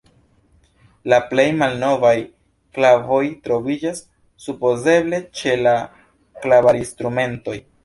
La plej malnovaj klavoj troviĝas supozeble ĉe la klavarinstrumentoj.